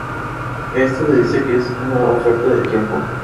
Esto se dice que es una oferta de tiempo.